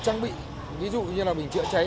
trang bị ví dụ như là bình chữa cháy